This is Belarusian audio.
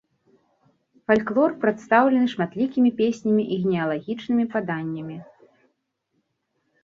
Фальклор прадстаўлены шматлікімі песнямі і генеалагічнымі паданнямі.